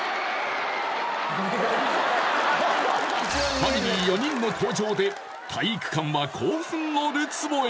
ファミリー４人の登場で体育館は興奮の坩堝へ！